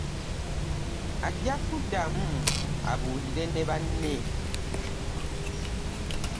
Ajja kuddamu abuulire ne banne.